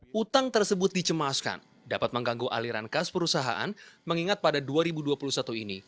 hutang tersebut dicemaskan dapat mengganggu aliran kas perusahaan mengingat pada dua ribu dua puluh satu ini